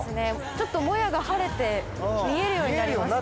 ちょっともやが晴れて見えるようになりました。